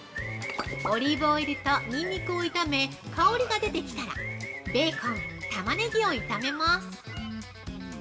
オリーブオイルとニンニクを炒め、香りが出てきたらベーコン、タマネギを炒めます。